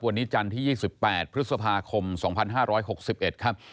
วันนี้จันทร์ที่๒๘พฤษภาคม๒๕๖๑ครับ